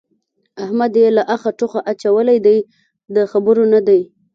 احمد يې له اخه توخه اچولی دی؛ د خبرو نه دی.